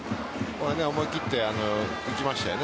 思い切っていきましたよね